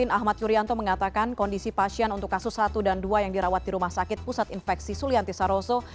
ahmad yuryanto mengatakan kondisi pasien untuk kasus satu dan dua yang dirawat di rumah sakit pusat infeksi sulianti saroso